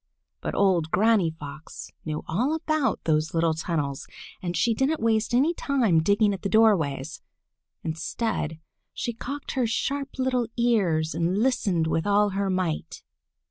But old Granny Fox knew all about those little tunnels, and she didn't waste any time digging at the doorways. Instead she cocked her sharp little ears and listened with all her might.